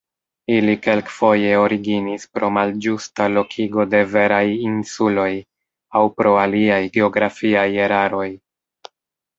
Ili kelkfoje originis pro malĝusta lokigo de veraj insuloj, aŭ pro aliaj geografiaj eraroj.